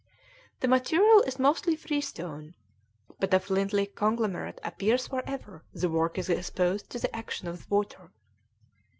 The material is mostly freestone, but a flinty conglomerate appears wherever the work is exposed to the action of the water.